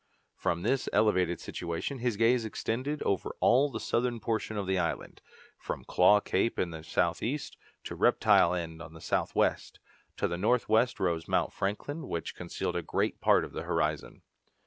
From this elevated situation his gaze extended over all the southern portion of the island, from Claw Cape on the south east, to Reptile End on the south west. To the north west rose Mount Franklin, which concealed a great part of the horizon.